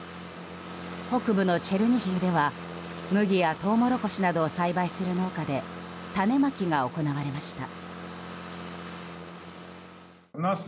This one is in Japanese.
北部のチェルニヒウでは麦やトウモロコシなどを栽培する農家で種まきが行われました。